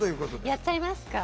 やっちゃいますか？